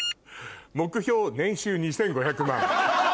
「目標年収２５００万」。